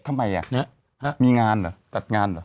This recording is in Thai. ทำไมอ่ะมีงานเหรอจัดงานเหรอ